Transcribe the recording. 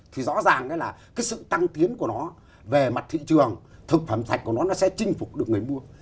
thì rõ ràng là cái sự tăng tiến của nó về mặt thị trường thực phẩm sạch của nó nó sẽ chinh phục được người mua